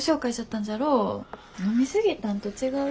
飲み過ぎたんと違う？